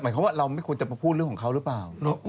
หมายความว่าเราไม่ควรจะมาพูดเรื่องของเขาหรือเปล่า